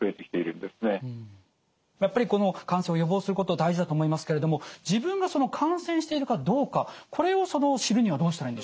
やっぱりこの感染を予防すること大事だと思いますけれども自分が感染しているかどうかこれを知るにはどうしたらいいんでしょうか？